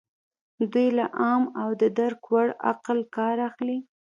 دوی له عام او د درک وړ عقل کار اخلي.